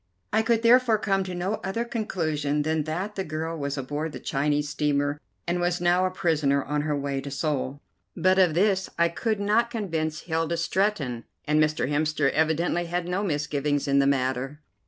I could therefore come to no other conclusion than that the girl was aboard the Chinese steamer and was now a prisoner on her way to Seoul, but of this I could not convince Hilda Stretton, and Mr. Hemster evidently had no misgivings in the matter.